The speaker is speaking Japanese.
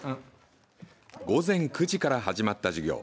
午前９時から始まった授業。